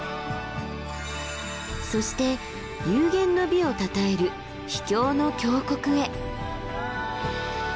そして幽玄の美をたたえる秘境の峡谷へ。